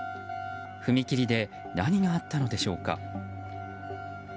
踏切で何があったのでしょうか。